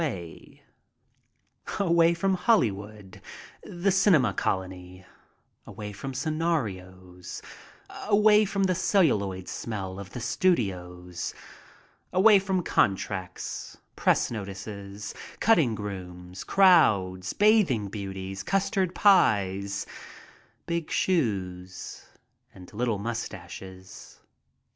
Away from Hollywood, the cinema colony, away from scenarios, away from the celluloid smell of the studios, away from contracts, press notices, cutting rooms, crowds, bathing beauties, custard pies, big shoes, and little mustaches.